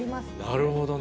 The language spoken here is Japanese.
なるほどね。